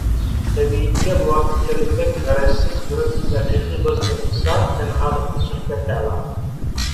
تەبىئىتىگە مۇۋاپىق كەلگۈدەك غەرەزسىز بىر ھەقىقىي دوست تېپىلسا، تەنھالىقتىن سۆھبەت ئەلا.